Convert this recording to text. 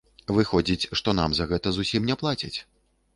Выходзіць, што нам за гэта зусім не плацяць.